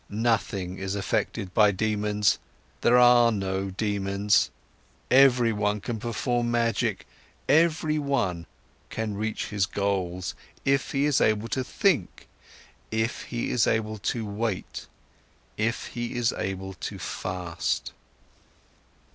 Nothing is effected by daemons, there are no daemons. Everyone can perform magic, everyone can reach his goals, if he is able to think, if he is able to wait, if he is able to fast."